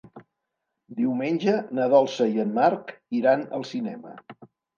Diumenge na Dolça i en Marc iran al cinema.